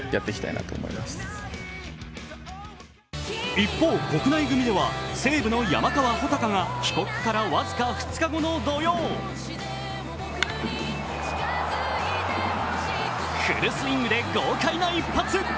一方、国内組では西武の山川穂高が帰国から僅か２日後の土曜フルスイングで豪快な一発。